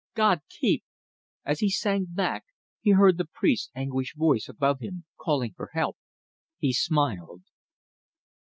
God keep..." As he sank back he heard the priest's anguished voice above him, calling for help. He smiled.